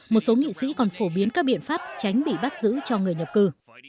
một số nghị sĩ còn phổ biến các biện pháp tránh bị bắt giữ cho người nhập cư